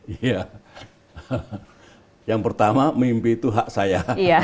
iya yang pertama mimpi itu hak saya